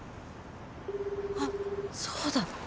あっそうだ。